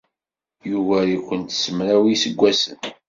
Yugar-ikent s mraw n yiseggasen.